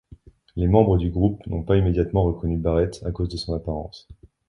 Les membres du groupe n'ont pas immédiatement reconnu Barrett à cause de son apparence.